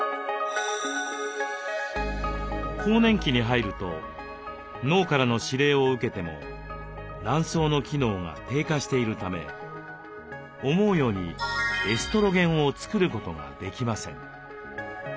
更年期に入ると脳からの指令を受けても卵巣の機能が低下しているため思うようにエストロゲンを作ることができません。